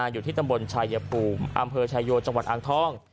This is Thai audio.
อยู่ที่ตำบลชายภูมิอำเภอชายโยจังหวัดอ่างทอง